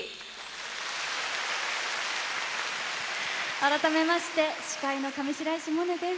改めまして司会の上白石萌音です。